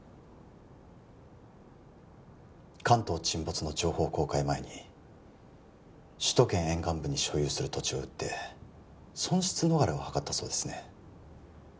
関東沈没の情報公開前に首都圏沿岸部に所有する土地を売って損失逃れをはかったそうですね